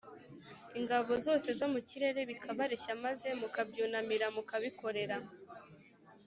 ingabo zose zo mu kirere, bikabareshya maze mukabyunamira mukabikorera,